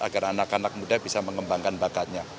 agar anak anak muda bisa mengembangkan bakatnya